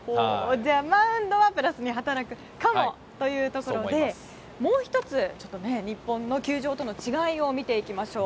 じゃあ、マウンドはプラスに働くかもというところでもう１つ、日本の球場との違いを見ていきましょう。